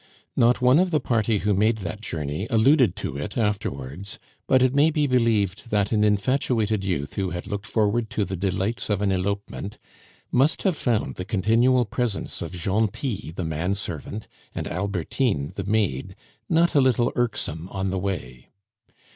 Not one of the party who made that journey alluded to it afterwards; but it may be believed that an infatuated youth who had looked forward to the delights of an elopement, must have found the continual presence of Gentil, the man servant, and Albertine, the maid, not a little irksome on the way.